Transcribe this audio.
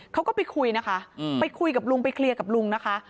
เขาก็ไปคุยนะคะไปคุยกับลุงไปเคลียร์กับลุงนะคะ